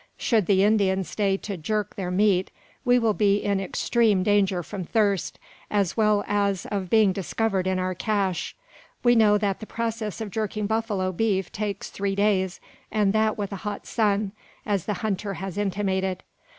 Should the Indians stay to "jerk" their meat, we will be in extreme danger from thirst, as well as of being discovered in our cache. We know that the process of jerking buffalo beef takes three days, and that with a hot sun, as the hunter has intimated.